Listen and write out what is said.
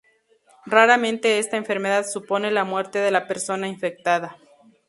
Raramente esta enfermedad supone la muerte de la persona infectada.